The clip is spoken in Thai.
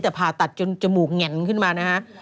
แต่ผ่าตัดจนจมูกแง่นขึ้นมานะฮะ